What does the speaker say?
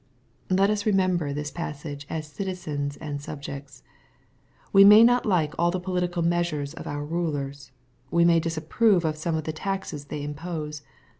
Let us remember this passage as citizens and subjects. We may not like all the political measures of our rulers. We may disapprove of some of the taxes they impose.